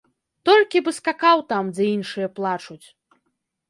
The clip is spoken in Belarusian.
Толькі б і скакаў там, дзе іншыя плачуць.